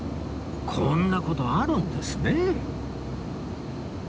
こんな事あるんですね